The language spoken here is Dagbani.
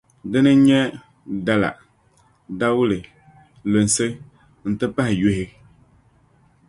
Din n-nyɛ: dala, dawulo, lunsi, nti pahi yuhi.